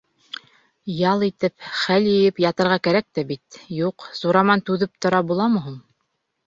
Ял итеп, хәл йыйып ятырға кәрәк тә бит, юҡ, Сураман түҙеп тора буламы һуң!